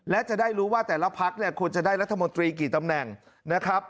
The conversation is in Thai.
และจะได้รู้ว่าแต่ละพักคุณจะได้รัฐมนตรีกี่ตำแหน่ง